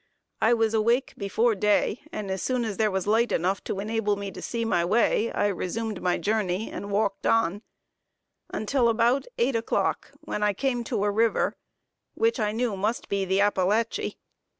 I was awake before day, and as soon as there was light enough to enable me to see my way, I resumed my journey and walked on, until about eight o'clock, when I came to a river, which I knew must be the Appalachie.